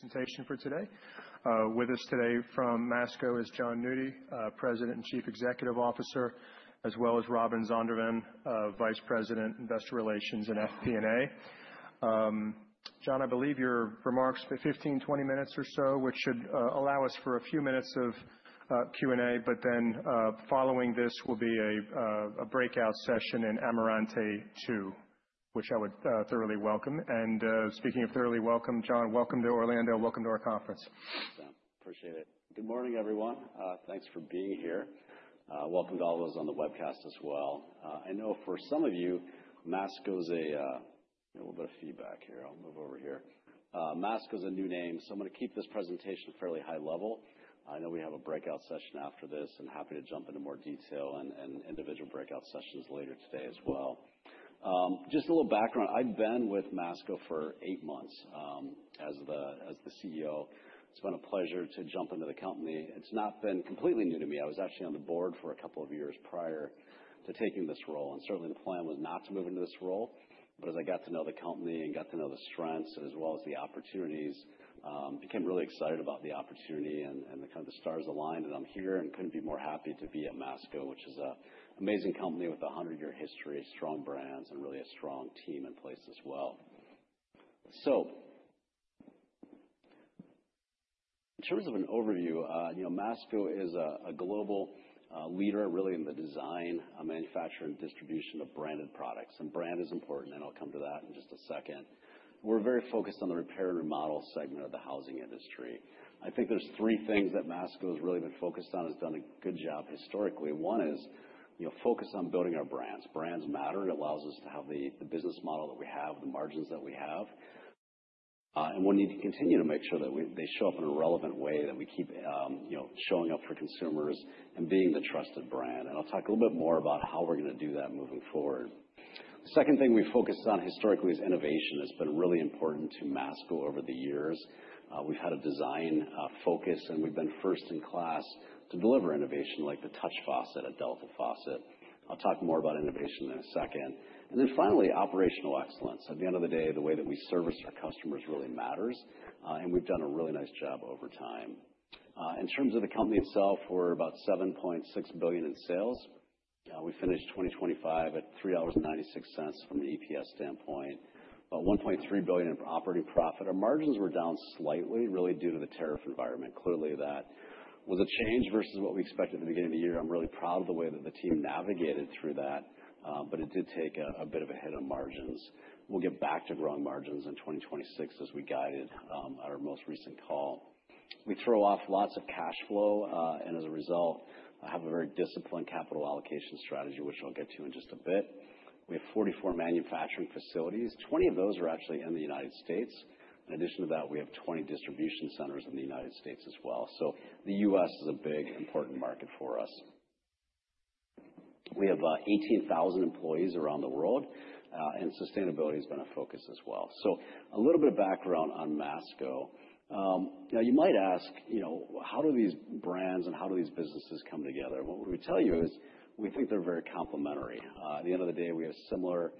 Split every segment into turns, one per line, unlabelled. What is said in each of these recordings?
Presentation for today. with us today from Masco is Jon Nudi, President and Chief Executive Officer, as well as Robin Zondervan, Vice President, Investor Relations and FP&A. Jon, I believe your remarks, for 15, 20 minutes or so, which should allow us for a few minutes of Q&A. Following this will be a breakout session in Amarante Two, which I would thoroughly welcome. Speaking of thoroughly welcome, Jon, welcome to Orlando. Welcome to our conference.
Thanks, Sam. Appreciate it. Good morning, everyone. Thanks for being here. Welcome to all those on the webcast as well. I know for some of you, Masco's a... We have a little bit of feedback here. I'll move over here. Masco's a new name, so I'm gonna keep this presentation fairly high level. I know we have a breakout session after this. I'm happy to jump into more detail and individual breakout sessions later today as well. Just a little background. I've been with Masco for eight months as the CEO. It's been a pleasure to jump into the company. It's not been completely new to me. I was actually on the board for a couple of years prior to taking this role, certainly the plan was not to move into this role. As I got to know the company and got to know the strengths as well as the opportunities, became really excited about the opportunity and the kind of stars aligned, and I'm here and couldn't be more happy to be at Masco, which is a amazing company with a 100-year history, strong brands, and really a strong team in place as well. In terms of an overview, you know, Masco is a global leader really in the design, manufacturing, distribution of branded products. Brand is important, and I'll come to that in just a second. We're very focused on the repair and remodel segment of the housing industry. I think there's three things that Masco's really been focused on. It's done a good job historically. One is, you know, focus on building our brands. Brands matter. It allows us to have the business model that we have, the margins that we have. We need to continue to make sure that they show up in a relevant way, that we keep, you know, showing up for consumers and being the trusted brand. I'll talk a little bit more about how we're gonna do that moving forward. The second thing we focused on historically is innovation. It's been really important to Masco over the years. We've had a design focus, we've been first in class to deliver innovation like the touch faucet at Delta Faucet. I'll talk more about innovation in a second. Finally, operational excellence. At the end of the day, the way that we service our customers really matters, we've done a really nice job over time. In terms of the company itself, we're about $7.6 billion in sales. We finished 2025 at $3.96 from the EPS standpoint, about $1.3 billion in operating profit. Our margins were down slightly, really due to the tariff environment. Clearly, that was a change versus what we expected at the beginning of the year. I'm really proud of the way that the team navigated through that, but it did take a bit of a hit on margins. We'll get back to growing margins in 2026, as we guided at our most recent call. We throw off lots of cash flow, and as a result, have a very disciplined capital allocation strategy, which I'll get to in just a bit. We have 44 manufacturing facilities. 20 of those are actually in the United States. In addition to that, we have 20 distribution centers in the U.S. as well. The U.S. is a big, important market for us. We have 18,000 employees around the world, and sustainability has been a focus as well. A little bit of background on Masco. Now you might ask, you know, how do these brands and how do these businesses come together? What we tell you is we think they're very complementary. At the end of the day, we have similar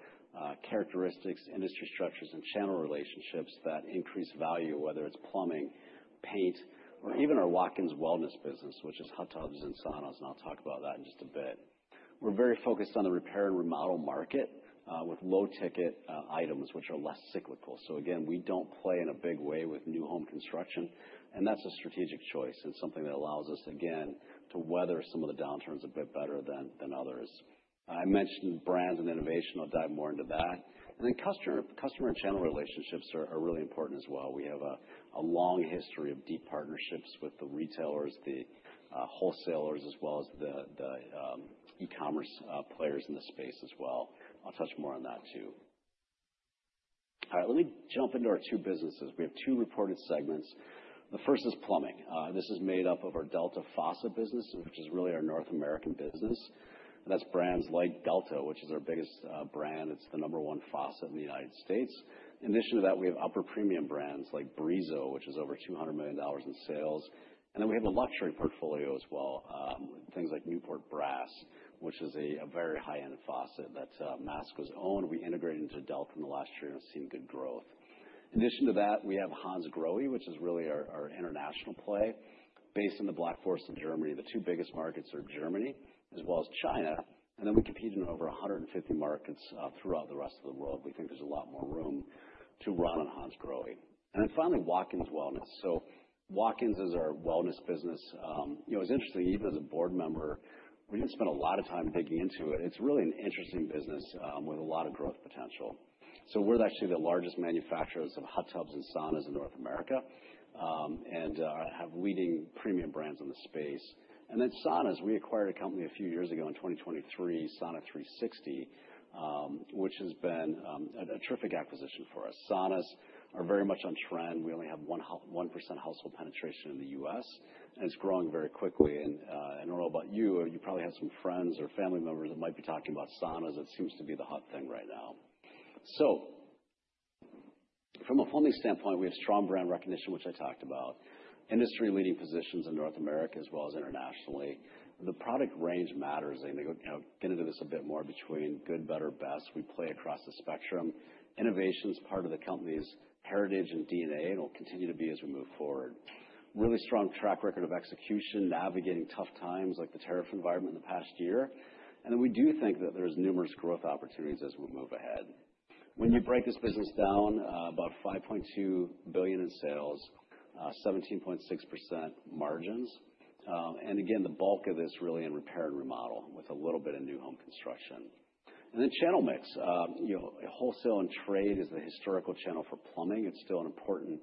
characteristics, industry structures, and channel relationships that increase value, whether it's Plumbing, Paint, or even our Watkins Wellness business, which is hot tubs and saunas, and I'll talk about that in just a bit. We're very focused on the repair and remodel market, with low-ticket items, which are less cyclical. Again, we don't play in a big way with new home construction, and that's a strategic choice and something that allows us, again, to weather some of the downturns a bit better than others. I mentioned brands and innovation. I'll dive more into that. Then customer and channel relationships are really important as well. We have a long history of deep partnerships with the retailers, the wholesalers, as well as the e-commerce players in this space as well. I'll touch more on that too. All right. Let me jump into our two businesses. We have two reported segments. The first is Plumbing. This is made up of our Delta Faucet business, which is really our North American business. That's brands like Delta, which is our biggest brand. It's the number one faucet in the United States. In addition to that, we have upper premium brands like Brizo, which is over $200 million in sales. We have a luxury portfolio as well, things like Newport Brass, which is a very high-end faucet that Masco's owned. We integrated into Delta in the last year and have seen good growth. In addition to that, we have Hansgrohe, which is really our international play based in the Black Forest of Germany. The two biggest markets are Germany as well as China. We compete in over 150 markets throughout the rest of the world. We think there's a lot more room to run on Hansgrohe. Finally, Watkins Wellness. Watkins is our wellness business. You know, it's interesting. Even as a board member, we didn't spend a lot of time digging into it. It's really an interesting business, with a lot of growth potential. We're actually the largest manufacturers of hot tubs and saunas in North America, and have leading premium brands in the space. Saunas, we acquired a company a few years ago in 2023, Sauna360, which has been a terrific acquisition for us. Saunas are very much on trend. We only have 1% household penetration in the U.S., and it's growing very quickly. I don't know about you probably have some friends or family members that might be talking about saunas. It seems to be the hot thing right now. From a Plumbing standpoint, we have strong brand recognition, which I talked about. Industry leading positions in North America as well as internationally. The product range matters, you know, get into this a bit more between good, better, best. We play across the spectrum. Innovation is part of the company's heritage and DNA. It'll continue to be as we move forward. Really strong track record of execution, navigating tough times like the tariff environment in the past year. We do think that there's numerous growth opportunities as we move ahead. When you break this business down, about $5.2 billion in sales, 17.6% margins. Again, the bulk of this really in repair and remodel with a little bit of new home construction. Channel mix. You know, wholesale and trade is the historical channel for Plumbing. It's still an important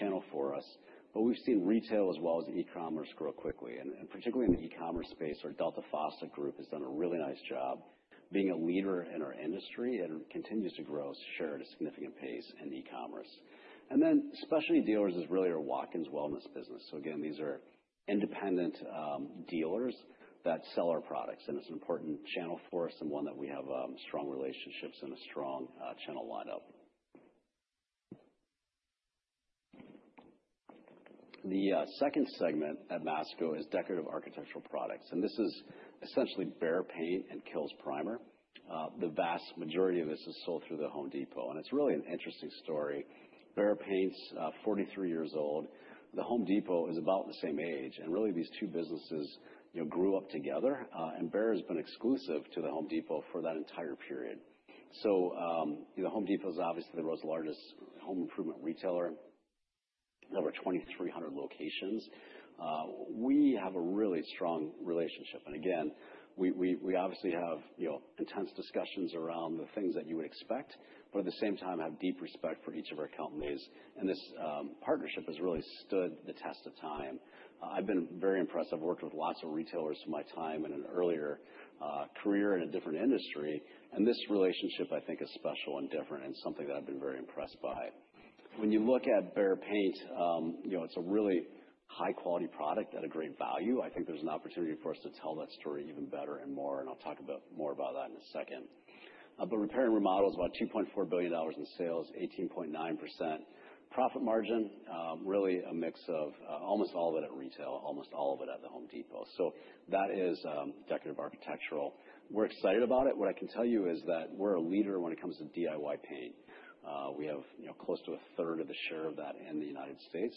channel for us, but we've seen retail as well as e-commerce grow quickly. Particularly in the e-commerce space, our Delta Faucet group has done a really nice job being a leader in our industry and continues to grow share at a significant pace in e-commerce. Specialty dealers is really our Watkins Wellness business. Again, these are independent dealers that sell our products, and it's an important channel for us and one that we have strong relationships and a strong channel lineup. The second segment at Masco is Decorative Architectural Products, and this is essentially BEHR Paint and KILZ primer. The vast majority of this is sold through The Home Depot, and it's really an interesting story. Behr Paint's 43 years old. The Home Depot is about the same age. Really, these two businesses, you know, grew up together, and Behr has been exclusive to The Home Depot for that entire period. You know, Home Depot is obviously the world's largest home improvement retailer, over 2,300 locations. We have a really strong relationship. Again, we obviously have, you know, intense discussions around the things that you would expect, but at the same time have deep respect for each of our companies. This partnership has really stood the test of time. I've been very impressed. I've worked with lots of retailers in my time in an earlier career in a different industry, and this relationship I think is special and different and something that I've been very impressed by. When you look at Behr Paint, you know, it's a really high quality product at a great value. I think there's an opportunity for us to tell that story even better and more, and I'll talk more about that in a second. Repair and remodel is about $2.4 billion in sales, 18.9% profit margin. Really a mix of almost all of it at retail, almost all of it at The Home Depot. That is Decorative Architectural. We're excited about it. What I can tell you is that we're a leader when it comes to DIY paint. We have, you know, close to 1/3 of the share of that in the United States.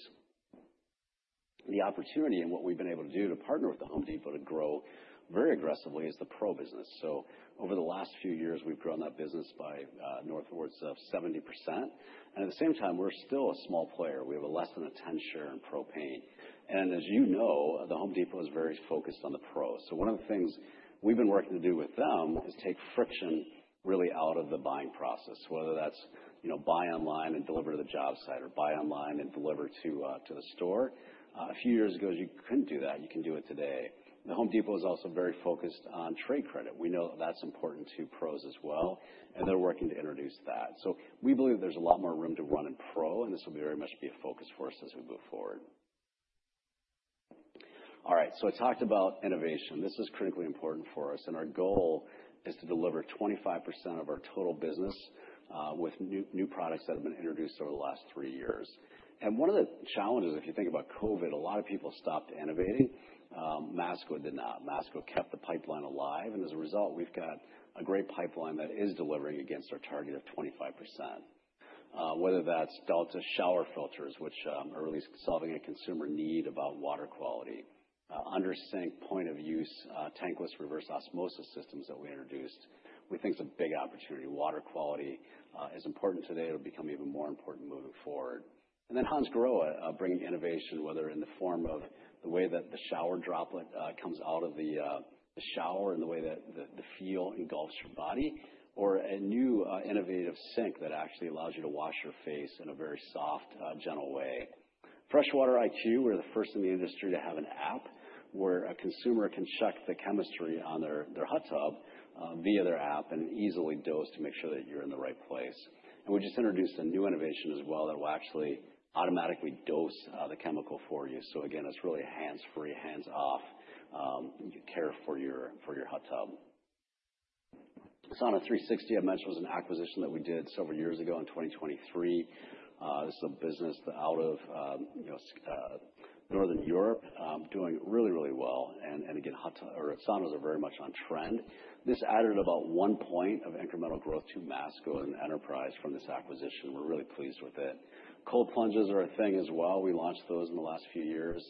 The opportunity and what we've been able to do to partner with The Home Depot to grow very aggressively is the pro business. Over the last few years, we've grown that business by northwards of 70%. At the same time, we're still a small player. We have a less than a 10 share in pro paint. As you know, The Home Depot is very focused on the pro. One of the things we've been working to do with them is take friction really out of the buying process, whether that's, you know, buy online and deliver to the job site or buy online and deliver to the store. A few years ago, you couldn't do that. You can do it today. The Home Depot is also very focused on trade credit. We know that's important to pros as well, and they're working to introduce that. We believe there's a lot more room to run in pro, and this will very much be a focus for us as we move forward. All right, I talked about innovation. This is critically important for us. Our goal is to deliver 25% of our total business with new products that have been introduced over the last three years. One of the challenges, if you think about COVID, a lot of people stopped innovating. Masco did not. Masco kept the pipeline alive. As a result, we've got a great pipeline that is delivering against our target of 25%. Whether that's Delta shower filters, which are really solving a consumer need about water quality. Under sink point of use, tankless reverse osmosis systems that we introduced, we think is a big opportunity. Water quality is important today. It'll become even more important moving forward. Hansgrohe, bringing innovation, whether in the form of the way that the shower droplet comes out of the shower and the way that the feel engulfs your body or a new, innovative sink that actually allows you to wash your face in a very soft, gentle way. FreshWater IQ, we're the first in the industry to have an app where a consumer can check the chemistry on their hot tub, via their app and easily dose to make sure that you're in the right place. We just introduced a new innovation as well that will actually automatically dose the chemical for you. Again, it's really a hands-free, hands-off, care for your hot tub. Sauna360, I mentioned, was an acquisition that we did several years ago in 2023. This is a business out of, you know, Northern Europe, doing really, really well. Again, saunas are very much on trend. This added about 1 point of incremental growth to Masco and enterprise from this acquisition. We're really pleased with it. Cold plunges are a thing as well. We launched those in the last few years.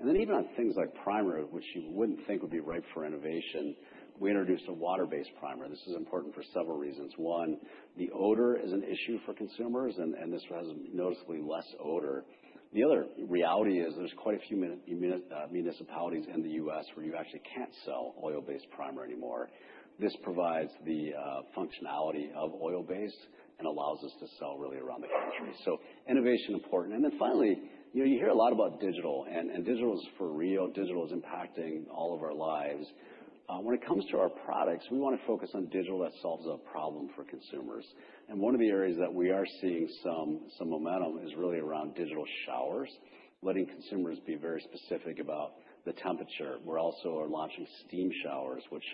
Even on things like primer, which you wouldn't think would be ripe for innovation, we introduced a water-based primer. This is important for several reasons. 1, the odor is an issue for consumers, and this has noticeably less odor. The other reality is there's quite a few municipalities in the U.S. where you actually can't sell oil-based primer anymore. This provides the functionality of oil-based and allows us to sell really around the country. Innovation important. Finally, you know, you hear a lot about digital is for real. Digital is impacting all of our lives. When it comes to our products, we wanna focus on digital that solves a problem for consumers. One of the areas that we are seeing some momentum is really around digital showers, letting consumers be very specific about the temperature. We're also are launching steam showers, which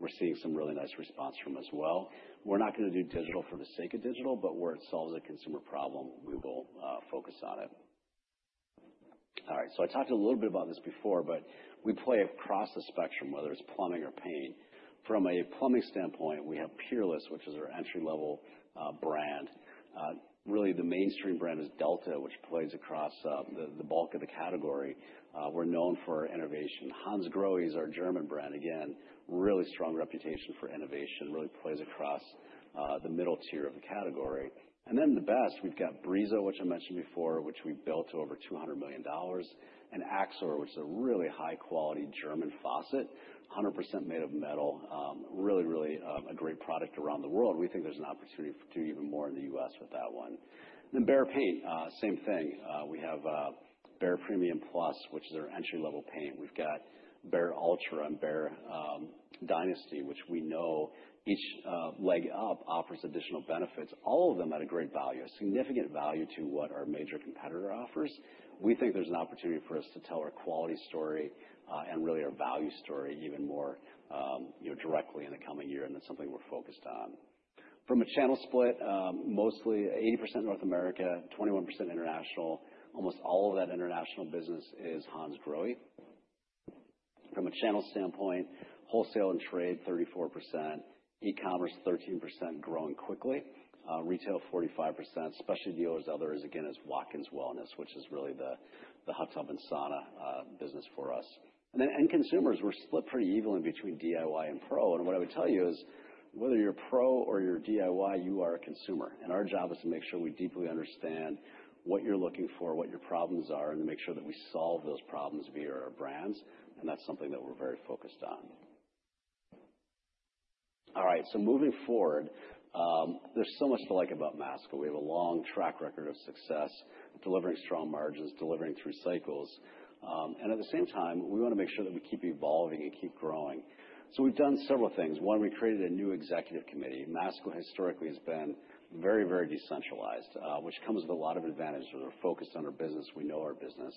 we're seeing some really nice response from as well. We're not gonna do digital for the sake of digital, but where it solves a consumer problem, we will, focus on it. I talked a little bit about this before, but we play across the spectrum, whether it's Plumbing or paint. From a Plumbing standpoint, we have Peerless, which is our entry-level brand. Really the mainstream brand is Delta, which plays across the bulk of the category. We're known for our innovation. Hansgrohe is our German brand. Again, really strong reputation for innovation. Really plays across the middle tier of the category. The best, we've got Brizo, which I mentioned before, which we built to over $200 million, and AXOR, which is a really high-quality German faucet, 100% made of metal. Really a great product around the world. We think there's an opportunity for do even more in the U.S. with that one. Behr Paint, same thing. We have BEHR PREMIUM PLUS, which is our entry-level paint. We've got BEHR ULTRA and BEHR DYNASTY, which we know each leg up offers additional benefits. All of them at a great value, a significant value to what our major competitor offers. We think there's an opportunity for us to tell our quality story, and really our value story even more, you know, directly in the coming year. That's something we're focused on. From a channel split, mostly 80% North America, 21% international. Almost all of that international business is Hansgrohe. From a channel standpoint, wholesale and trade 34%, e-commerce 13% growing quickly, retail 45%. Specialty dealers, others, again, is Watkins Wellness, which is really the hot tub and sauna business for us. End consumers, we're split pretty evenly between DIY and pro. What I would tell you is, whether you're pro or you're DIY, you are a consumer, and our job is to make sure we deeply understand what you're looking for, what your problems are, and to make sure that we solve those problems via our brands, and that's something that we're very focused on. All right. Moving forward, there's so much to like about Masco. We have a long track record of success, delivering strong margins, delivering through cycles, and at the same time, we wanna make sure that we keep evolving and keep growing. We've done several things. One, we created a new executive committee. Masco historically has been very, very decentralized, which comes with a lot of advantages. We're focused on our business. We know our business.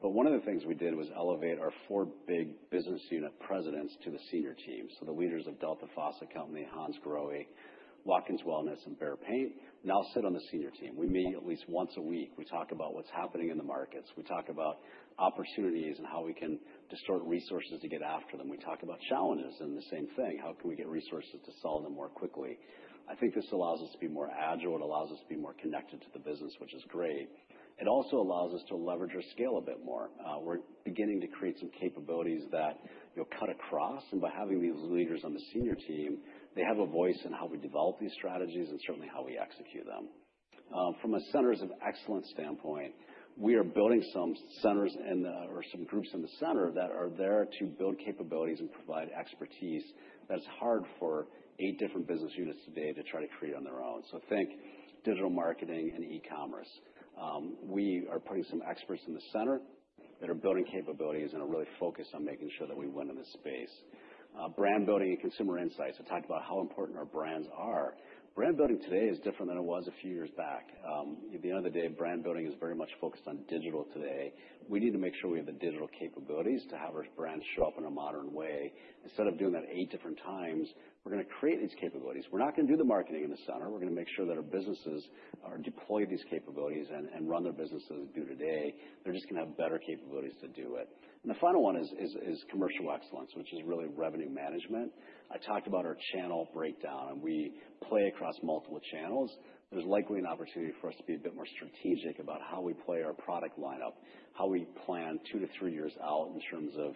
One of the things we did was elevate our four big business unit presidents to the senior team. The leaders of Delta Faucet Company, Hansgrohe, Watkins Wellness, and BEHR Paint now sit on the senior team. We meet at least once a week. We talk about what's happening in the markets. We talk about opportunities and how we can distort resources to get after them. We talk about challenges and the same thing, how can we get resources to solve them more quickly? I think this allows us to be more agile. It allows us to be more connected to the business, which is great. It also allows us to leverage our scale a bit more. We're beginning to create some capabilities that, you'll cut across, by having these leaders on the senior team, they have a voice in how we develop these strategies and certainly how we execute them. From a centers of excellence standpoint, we are building some groups in the center that are there to build capabilities and provide expertise that's hard for eight different business units today to try to create on their own. Think digital marketing and e-commerce. We are putting some experts in the center that are building capabilities and are really focused on making sure that we win in this space. Brand building and consumer insights to talk about how important our brands are. Brand building today is different than it was a few years back. At the end of the day, brand building is very much focused on digital today. We need to make sure we have the digital capabilities to have our brands show up in a modern way. Instead of doing that eight different times, we're gonna create these capabilities. We're not gonna do the marketing in the center. We're gonna make sure that our businesses are deployed these capabilities and run their business as they do today. They're just gonna have better capabilities to do it. The final one is commercial excellence, which is really revenue management. I talked about our channel breakdown, and we play across multiple channels. There's likely an opportunity for us to be a bit more strategic about how we play our product lineup, how we plan two to three years out in terms of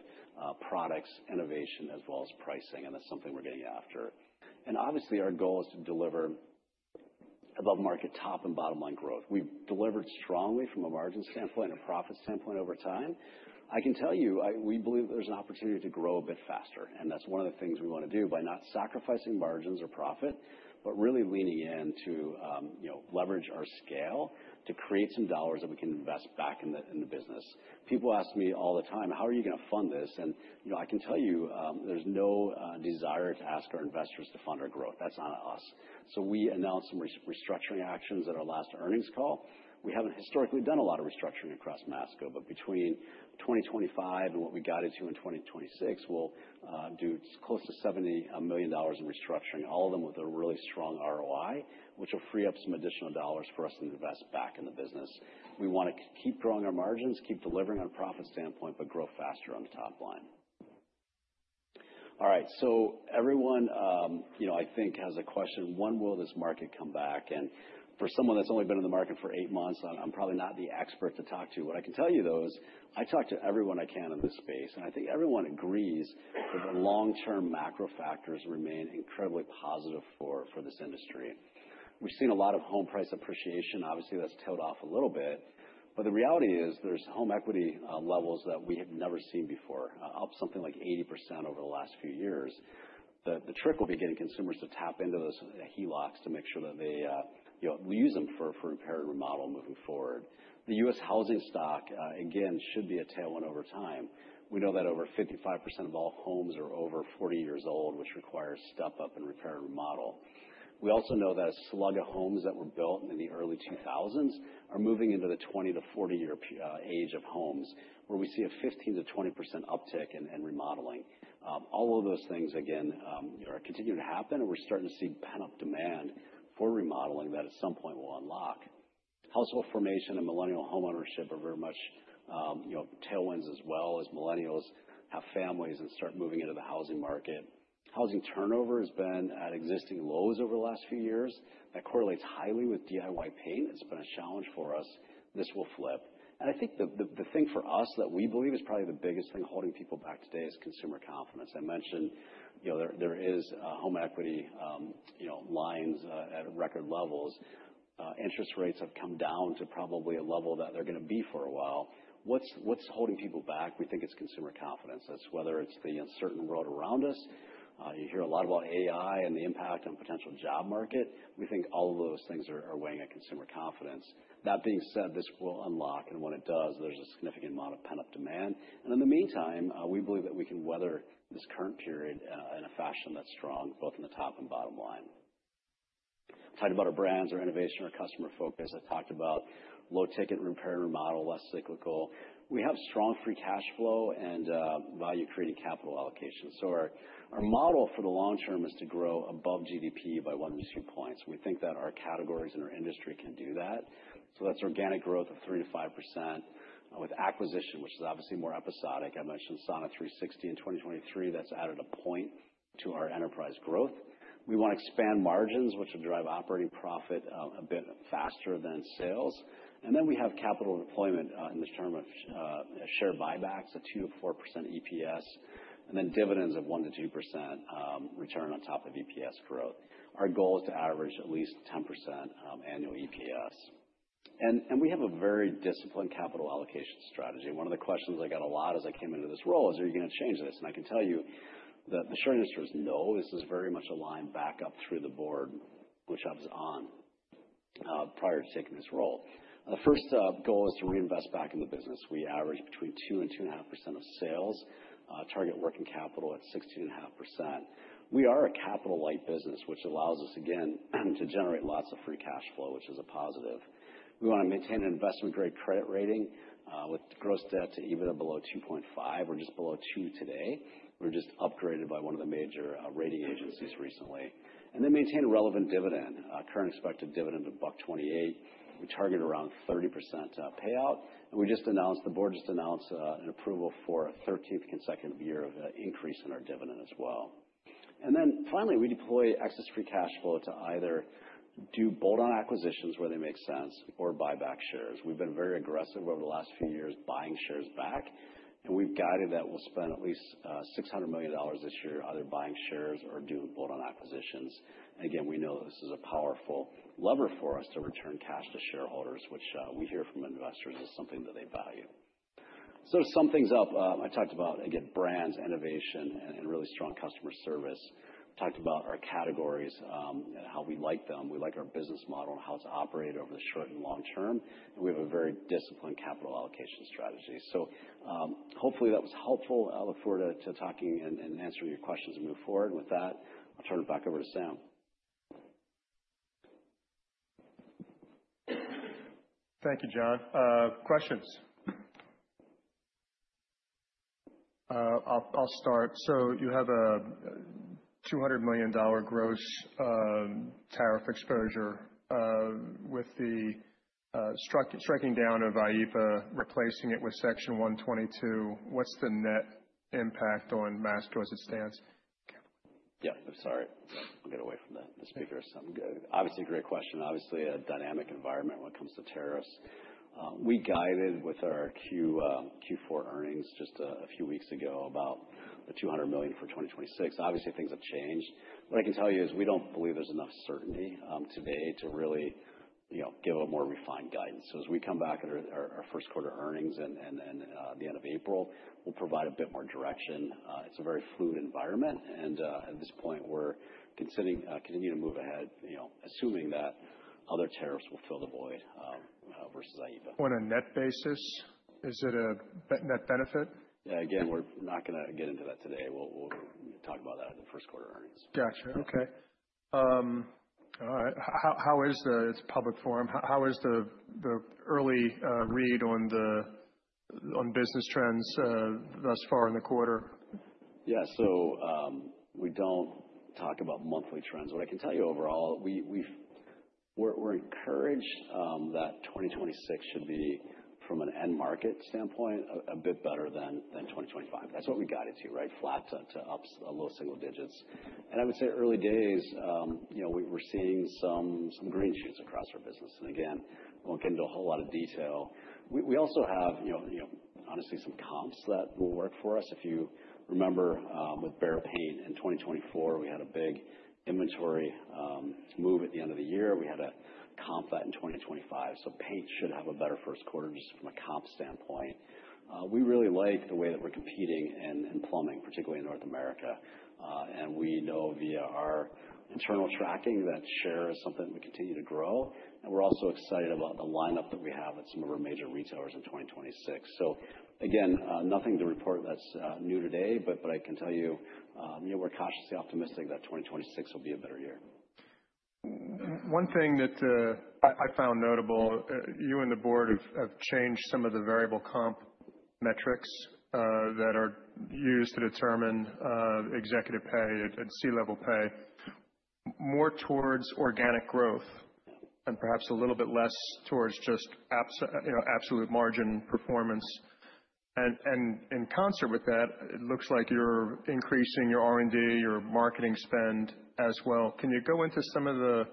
products, innovation, as well as pricing, and that's something we're getting after. Obviously, our goal is to deliver above market top and bottom line growth. We've delivered strongly from a margin standpoint and a profit standpoint over time. I can tell you, we believe there's an opportunity to grow a bit faster, and that's one of the things we wanna do by not sacrificing margins or profit, but really leaning in to, you know, leverage our scale to create some dollars that we can invest back in the, in the business. People ask me all the time, "How are you gonna fund this?" You know, I can tell you, there's no desire to ask our investors to fund our growth. That's not us. We announced some restructuring actions at our last earnings call. We haven't historically done a lot of restructuring across Masco, but between 2025 and what we guided to in 2026, we'll do close to $70 million in restructuring, all of them with a really strong ROI, which will free up some additional dollars for us to invest back in the business. We wanna keep growing our margins, keep delivering on a profit standpoint, but grow faster on the top line. All right. Everyone, you know, I think has a question, when will this market come back? For someone that's only been in the market for eight months, I'm probably not the expert to talk to. What I can tell you, though, is I talk to everyone I can in this space, and I think everyone agrees that the long-term macro factors remain incredibly positive for this industry. We've seen a lot of home price appreciation. Obviously, that's tailed off a little bit. The reality is there's home equity levels that we have never seen before, up something like 80% over the last few years. The trick will be getting consumers to tap into those HELOCs to make sure that they, you know, use them for repair and remodel moving forward. The U.S. housing stock again should be a tailwind over time. We know that over 55% of all homes are over 40 years old, which requires step-up in repair and remodel. We also know that a slug of homes that were built in the early 2000s are moving into the 20-40 year age of homes, where we see a 15%-20% uptick in remodeling. All of those things again are continuing to happen, and we're starting to see pent-up demand for remodeling that at some point will unlock. Household formation and millennial homeownership are very much, you know, tailwinds as well as millennials have families and start moving into the housing market. Housing turnover has been at existing lows over the last few years. That correlates highly with DIY paint. It's been a challenge for us. This will flip. I think the thing for us that we believe is probably the biggest thing holding people back today is consumer confidence. I mentioned, you know, there is home equity, you know, lines at record levels. Interest rates have come down to probably a level that they're gonna be for a while. What's holding people back? We think it's consumer confidence. Whether it's the uncertain world around us, you hear a lot about AI and the impact on potential job market. We think all of those things are weighing at consumer confidence. That being said, this will unlock, and when it does, there's a significant amount of pent-up demand. In the meantime, we believe that we can weather this current period in a fashion that's strong, both in the top and bottom line. Talked about our brands, our innovation, our customer focus. I talked about low-ticket repair and remodel, less cyclical. We have strong free cash flow and value-creating capital allocation. Our model for the long term is to grow above GDP by 1 to 2 points. We think that our categories and our industry can do that. That's organic growth of 3%-5%. With acquisition, which is obviously more episodic, I mentioned Sauna360 in 2023, that's added a point to our enterprise growth. We wanna expand margins, which will drive operating profit out a bit faster than sales. We have capital deployment in this term of share buybacks at 2%-4% EPS, and then dividends of 1%-2% return on top of EPS growth. Our goal is to average at least 10% annual EPS. We have a very disciplined capital allocation strategy. One of the questions I get a lot as I came into this role is, "Are you gonna change this?" I can tell you that the short answer is no. This is very much aligned back up through the board, which I was on prior to taking this role. The first goal is to reinvest back in the business. We average between 2% and 2.5% of sales, target working capital at 16.5%. We are a capital-light business, which allows us, again, to generate lots of free cash flow, which is a positive. We wanna maintain an investment-grade credit rating with gross debt to even or below 2.5. We're just below 2 today. We're just upgraded by one of the major, rating agencies recently. Then maintain a relevant dividend. Our current expected dividend of $1.28. We target around 30% payout. The board just announced, an approval for a 13th consecutive year of increase in our dividend as well. Finally, we deploy excess free cash flow to either do bolt-on acquisitions where they make sense or buy back shares. We've been very aggressive over the last few years buying shares back, and we've guided that we'll spend at least, $600 million this year either buying shares or doing bolt-on acquisitions. We know this is a powerful lever for us to return cash to shareholders, which, we hear from investors is something that they value. To sum things up, I talked about, again, brands, innovation, and really strong customer service. Talked about our categories, how we like them. We like our business model and how it's operated over the short and long term. We have a very disciplined capital allocation strategy. Hopefully that was helpful. I look forward to talking and answering your questions as we move forward. With that, I'll turn it back over to Sam.
Thank you, Jon. Questions? I'll start. You have a $200 million gross tariff exposure. With the striking down of IEEPA, replacing it with Section 122, what's the net impact on Masco as it stands?
Yeah. I'm sorry. I'll get away from the speaker so I'm good. Obviously, a great question. Obviously, a dynamic environment when it comes to tariffs. We guided with our Q4 earnings just a few weeks ago about the $200 million for 2026. Obviously, things have changed. What I can tell you is we don't believe there's enough certainty today to really, you know, give a more refined guidance. As we come back at our first quarter earnings and the end of April, we'll provide a bit more direction. It's a very fluid environment, and at this point we're considering continuing to move ahead, you know, assuming that other tariffs will fill the void versus IEEPA.
On a net basis, is it a net benefit?
Again, we're not gonna get into that today. We'll talk about that in the first quarter earnings.
Gotcha. Okay. all right. How is the, It's a public forum. How is the early read on business trends thus far in the quarter?
Yeah. We don't talk about monthly trends. What I can tell you overall, we're encouraged that 2026 should be, from an end market standpoint, a bit better than 2025. That's what we guided to, right? Flat to up a low single digits. I would say early days, you know, we're seeing some green shoots across our business. Again, won't get into a whole lot of detail. We also have, you know, honestly, some comps that will work for us. If you remember, with Behr Paint in 2024, we had a big inventory move at the end of the year. We had a comp that in 2025, paint should have a better first quarter just from a comp standpoint. We really like the way that we're competing in Plumbing, particularly in North America. We know via our internal tracking that share is something we continue to grow. We're also excited about the lineup that we have at some of our major retailers in 2026. Again, nothing to report that's new today, but I can tell you know, we're cautiously optimistic that 2026 will be a better year.
One thing that I found notable, you and the board have changed some of the variable comp metrics that are used to determine executive pay and C-level pay more towards organic growth and perhaps a little bit less towards just you know, absolute margin performance. In concert with that, it looks like you're increasing your R&D, your marketing spend as well. Can you go into some of the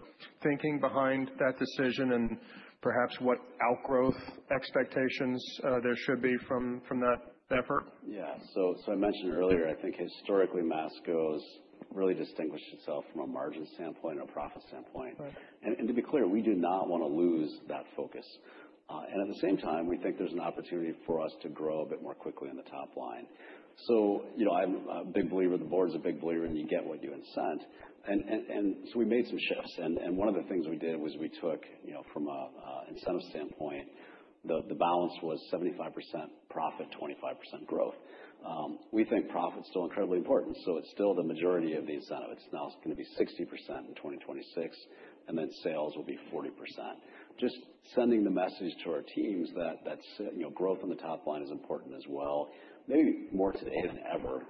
thinking behind that decision and perhaps what outgrowth expectations there should be from that part?
Yeah. I mentioned earlier, I think historically Masco's really distinguished itself from a margin standpoint or profit standpoint.
Right.
To be clear, we do not wanna lose that focus. At the same time, we think there's an opportunity for us to grow a bit more quickly on the top line. You know, I'm a big believer, the board's a big believer, and you get what you incent. We made some shifts. One of the things we did was we took, you know, from a incentive standpoint, the balance was 75% profit, 25% growth. We think profit's still incredibly important, so it's still the majority of the incentive. It's now gonna be 60% in 2026, and then sales will be 40%. Just sending the message to our teams that that's, you know, growth on the top line is important as well, maybe more today than ever.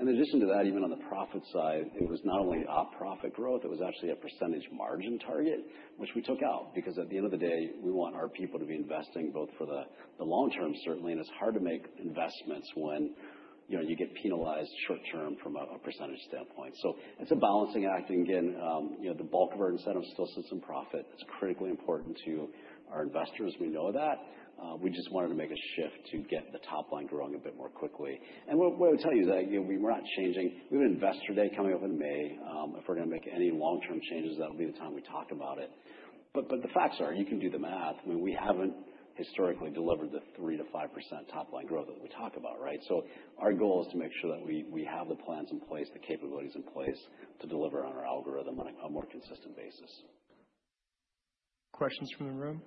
In addition to that, even on the profit side, it was not only op profit growth, it was actually a percentage margin target, which we took out, because at the end of the day, we want our people to be investing both for the long term, certainly, and it's hard to make investments when, you know, you get penalized short term from a percentage standpoint. It's a balancing act. Again, you know, the bulk of our incentive still sits in profit. It's critically important to our investors. We know that. We just wanted to make a shift to get the top line growing a bit more quickly. What I'll tell you is that, you know, we're not changing. We have an investor day coming up in May. If we're gonna make any long-term changes, that'll be the time we talk about it. The facts are, and you can do the math, I mean, we haven't historically delivered the 3%-5% top line growth that we talk about, right? Our goal is to make sure that we have the plans in place, the capabilities in place to deliver on our algorithm on a more consistent basis.
Questions from the room?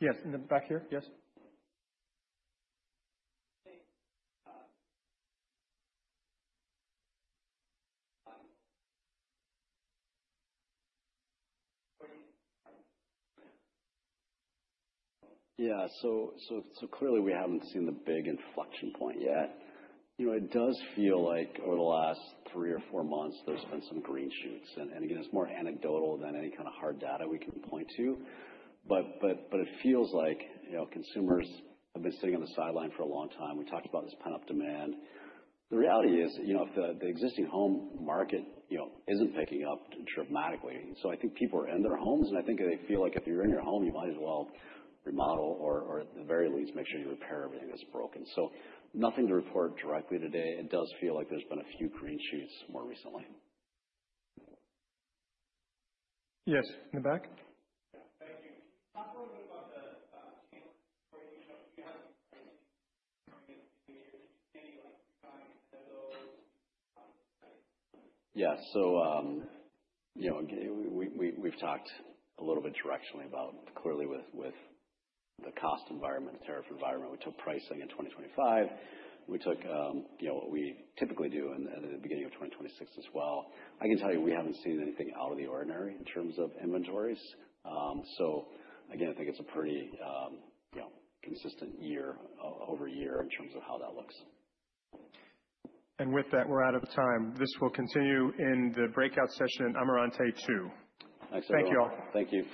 Yes, in the back here. Yes.
Yeah. Clearly we haven't seen the big inflection point yet. You know, it does feel like over the last three or four months, there's been some green shoots. Again, it's more anecdotal than any kinda hard data we can point to. It feels like, you know, consumers have been sitting on the sideline for a long time. We talked about this pent-up demand. The reality is, you know, if the existing home market, you know, isn't picking up dramatically, I think people are in their homes, and I think they feel like if you're in your home, you might as well remodel or at the very least make sure you repair everything that's broken. Nothing to report directly today. It does feel like there's been a few green shoots more recently.
Yes, in the back.
Yeah. Thank you. Talk a little bit about the scale for your show. Do you have any, like, timing schedules?
Yeah. You know, again, we've talked a little bit directionally about clearly with the cost environment, the tariff environment. We took pricing in 2025. We took, you know, what we typically do in, at the beginning of 2026 as well. I can tell you, we haven't seen anything out of the ordinary in terms of inventories. Again, I think it's a pretty, you know, consistent year-over-year in terms of how that looks.
With that, we're out of time. This will continue in the breakout session, Amarante Two.
Thanks, everyone.
Thank you all.
Thank you.